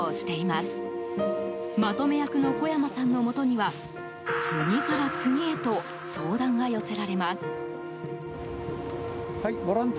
まとめ役の小山さんのもとには次から次へと相談が寄せられます。